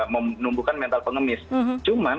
menumbuhkan mental pengemis cuman